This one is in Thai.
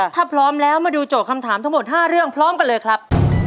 ถ้าพร้อมแล้วมาดูโจทย์คำถามทั้งหมด๕เรื่องพร้อมกันเลยครับ